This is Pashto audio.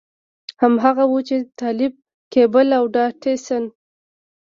هماغه و چې د طالب کېبل او ډاټسن.